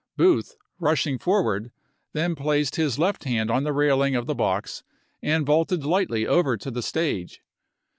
Booth, rushing for ward, then placed his left hand on the railing of the box and vaulted lightly over to the stage.